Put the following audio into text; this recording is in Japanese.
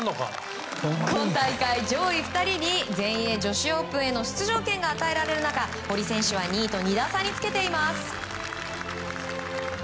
今大会上位２人に全英女子オープンへの出場権が与えられる中堀選手は２位と２打差につけています。